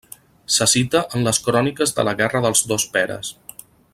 Se cita en les cròniques de la guerra dels Dos Peres.